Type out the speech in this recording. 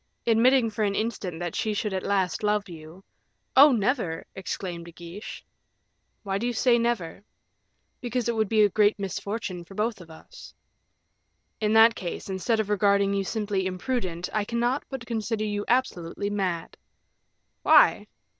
Admitting for an instant that she should at last love you " "Oh, never!" exclaimed De Guiche. "Why do you say never?" "Because it would be a great misfortune for both of us." "In that case, instead of regarding you simply imprudent, I cannot but consider you absolutely mad." "Why?"